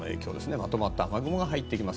まとまった雨雲が入ってきます。